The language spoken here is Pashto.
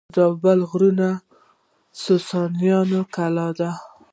د زابل غزنیې د ساساني کلا ده